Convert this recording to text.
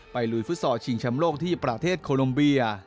ไปรุ่นฟุตสอบชิงชำโลกที่ประเทศโคลมเบีย